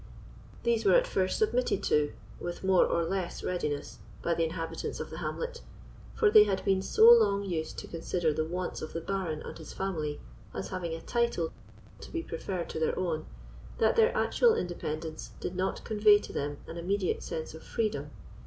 These were at first submitted to, with more or less readiness, by the inhabitants of the hamlet; for they had been so long used to consider the wants of the Baron and his family as having a title to be preferred to their own, that their actual independence did not convey to them an immediate sense of freedom.